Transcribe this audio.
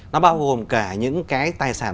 nó bao gồm cả những cái tài sản